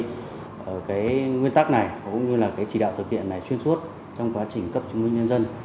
cái nguyên tắc này cũng như là cái chỉ đạo thực hiện này xuyên suốt trong quá trình cấp chứng minh nhân dân